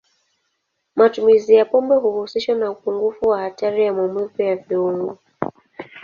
Matumizi ya pombe huhusishwa na upungufu wa hatari ya maumivu ya viungo.